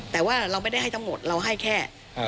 แต่ว่าเราไม่ได้ให้ทั้งหมดเราให้แค่